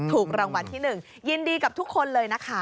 ถูกรางวัลที่๑ยินดีกับทุกคนเลยนะคะ